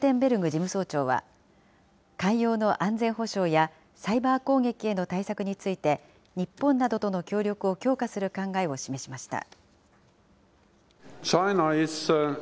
事務総長は、海洋の安全保障やサイバー攻撃への対策について、日本などとの協力を強化する考えを示しました。